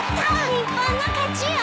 日本の勝ちよー！